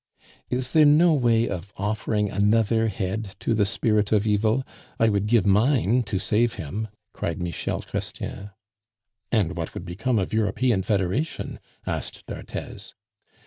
"Is there no way of offering another head to the spirit of evil? I would give mine to save him!" cried Michel Chrestien. "And what would become of European federation?" asked d'Arthez.